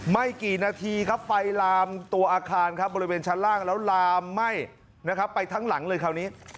ไม่กี่นาทีครับไฟลามตัวอาคารครับบริเวณชั้นล่างแล้วลามไหม้นะครับไปทั้งหลังเลยคราวนี้